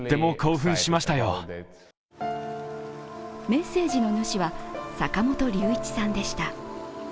メッセージの主は坂本龍一さんでした。